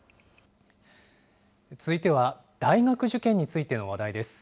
続いては大学受験についての話題です。